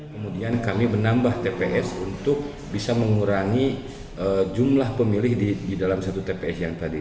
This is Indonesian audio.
kemudian kami menambah tps untuk bisa mengurangi jumlah pemilih di dalam satu tps yang tadi